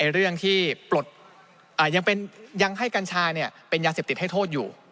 เรื่องที่ปลดยังให้กัญชาเป็นยาเสพติดให้โทษอยู่